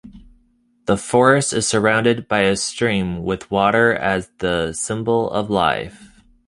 The forest is surrounded by a stream, with water as the symbol of life.